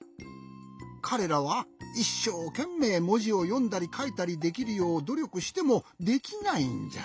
かれらはいっしょうけんめいもじをよんだりかいたりできるようどりょくしてもできないんじゃ。